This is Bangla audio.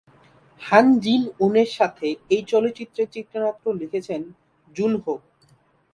হান জিন-ওনের সাথে এই চলচ্চিত্রের চিত্রনাট্য লিখেছেন জুন-হো।